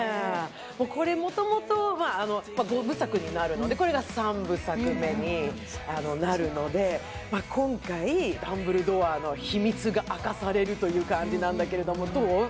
これ元々５部作になるのでこれが３部作目になるので今回ダンブルドアの秘密が明かされるという感じなんだけれどもどう？